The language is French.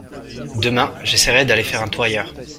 Demain, j’essaierai d’aller faire un tour ailleurs.